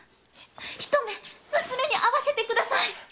ひと目娘に会わせてください！